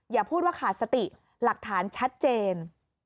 อย่าพูดว่าขาดสติหลักฐานชัดเจน